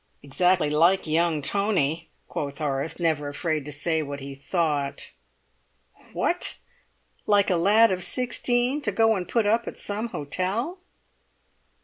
"Exactly like young Tony!" quoth Horace, never afraid to say what he thought. "What! Like a lad of sixteen to go and put up at some hotel?"